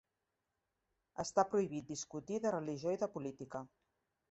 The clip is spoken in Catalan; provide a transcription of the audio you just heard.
Està prohibit discutir de religió i de política.